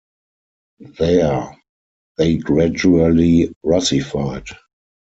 There they gradually russified.